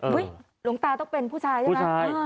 หลวงตาต้องเป็นผู้ชายใช่ไหม